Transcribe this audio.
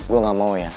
gue gak mau ya